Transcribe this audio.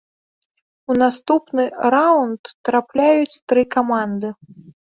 У наступны раўнд трапляюць тры каманды.